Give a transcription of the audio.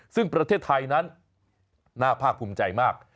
ซึ่งประเทศไทยนั้นน่าภาคภูมิใจมาก